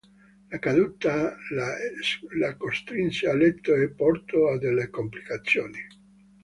La caduta la costrinse a letto e portò a delle complicazioni.